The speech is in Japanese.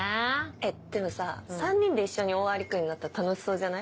でもさ３人で一緒にオオアリクイになったら楽しそうじゃない？